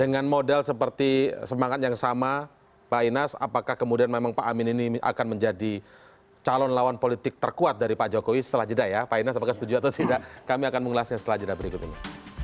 dengan modal seperti semangat yang sama pak inas apakah kemudian memang pak amin ini akan menjadi calon lawan politik terkuat dari pak jokowi setelah jeda ya pak inas apakah setuju atau tidak kami akan mengulasnya setelah jeda berikut ini